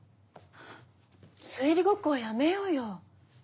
推理ごっこはやめようよ。